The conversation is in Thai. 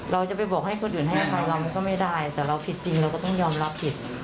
เราจะไปบอกให้คนอื่นให้อภัยเรามันก็ไม่ได้แต่เราผิดจริงเราก็ต้องยอมรับผิด